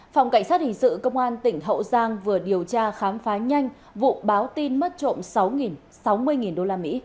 phòng cảnh sát hình sự công an tỉnh hậu giang vừa điều tra khám phá nhanh vụ báo tin mất trộm sáu sáu mươi usd